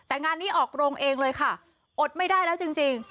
ออกโกรกอีกเลยค่ะอดไม่ได้แล้วจริง